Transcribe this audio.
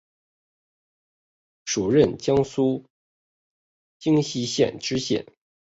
署任江苏荆溪县知县。